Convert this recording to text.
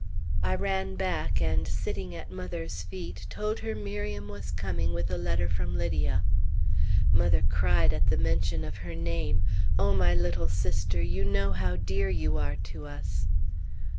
I ran back, and sitting at mother's feet, told her Miriam was coming with a letter from Lydia. Mother cried at the mention of her name. O my little sister! You know how dear you are to us!